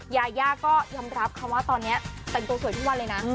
ยายาก็ยอมรับค่ะว่าตอนนี้แต่งตัวสวยทุกวันเลยนะ